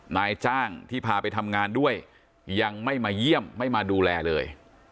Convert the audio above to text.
นายจ้างที่พาไปทำงานด้วยยังไม่มาเยี่ยมไม่มาดูแลเลย